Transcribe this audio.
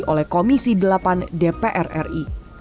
oleh komisi delapan dpr ri